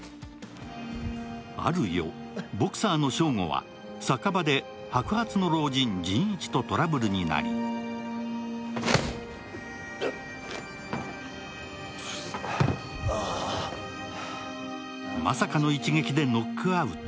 ある夜、ボクサーの翔吾は酒場で白髪の老人、仁一とトラブルになり、まさかの一撃でノックアウト。